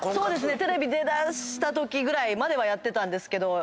テレビ出だしたときまではやってたんですけど。